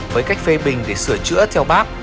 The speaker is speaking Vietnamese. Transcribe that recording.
với cách phê bình để sửa chữa theo bác